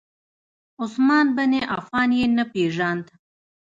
عثمان بن عفان یې نه پیژاند.